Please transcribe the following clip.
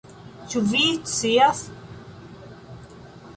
Ĉu vi scias?